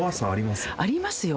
ありますよ！